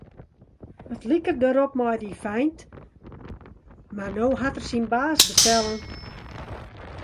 It like derop mei dy feint, mar no hat er syn baas bestellen.